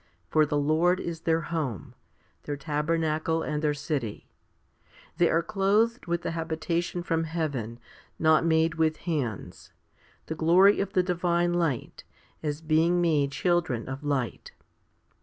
For the Lord is their home, their tabernacle and their city. They are clothed with the habi tation from heaven, not made with hands* the glory of the divine light, as being made children of light.